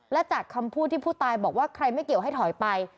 และจากคำพูดที่ผู้ตายบอกว่าใครไม่เกี่ยวให้ถอยไป